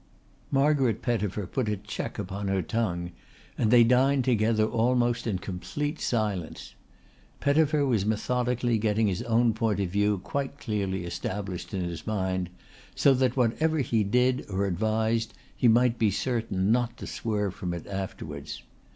Margaret Pettifer put a check upon her tongue and they dined together almost in complete silence. Pettifer was methodically getting his own point of view quite clearly established in his mind, so that whatever he did or advised he might be certain not to swerve from it afterwards.